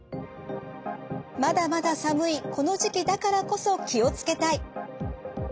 まだまだ寒いこの時期だからこそ気を付けたい。